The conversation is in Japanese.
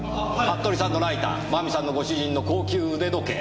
服部さんのライター真美さんのご主人の高級腕時計。